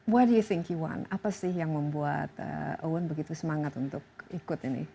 what do you think you want apa sih yang membuat owen begitu semangat untuk ikut ini